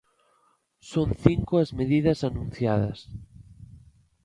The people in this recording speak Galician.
Son cinco as medidas anunciadas.